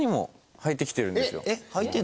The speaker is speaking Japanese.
はい。